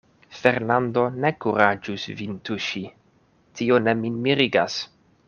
Fernando ne kuraĝus vin tuŝi, tio ne min mirigas.